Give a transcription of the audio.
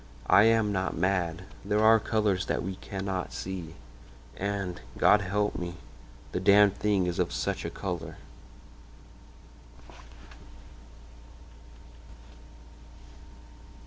I am not mad; there are colors that we cannot see. "And, God help me! the Damned Thing is of such a color!"